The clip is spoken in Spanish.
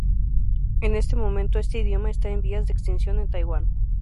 En este momento este idioma está en vías de extinción en Taiwan.